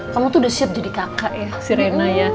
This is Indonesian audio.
kamu tuh udah siap jadi kakak ya sirena ya